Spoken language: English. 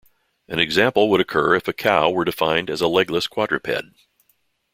An example would occur if a cow were defined as a legless quadruped.